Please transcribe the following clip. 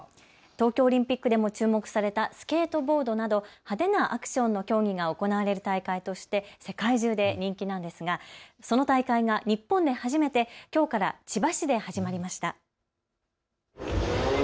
東京オリンピックでも注目されたスケートボードなど派手なアクションの競技が行われる大会として世界中で人気なんですが、その大会が日本で初めてきょうから千葉市で始まりました。